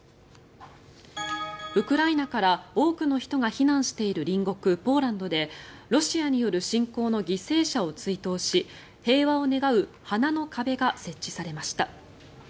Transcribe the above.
ウクライナから多くの人が避難している隣国ポーランドでロシアによる侵攻の犠牲者を追悼し平和を願う花の壁が設置されました。